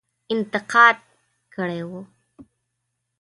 انتقاد کړی وو.